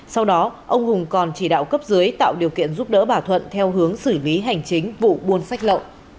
sau đó ông hùng còn chỉ đạo cấp dưới tạo điều kiện giúp đỡ bà thuận theo hướng xử lý hành chính vụ buôn sách lậu